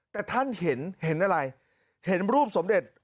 แต่ท่านเห็นเห็นอะไรเห็นรูปสมเด็จ